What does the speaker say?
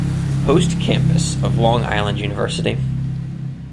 Post campus of Long Island University.